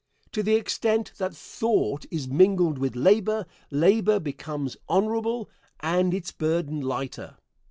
To the extent that thought is mingled with labor, labor becomes honorable and its burden lighter.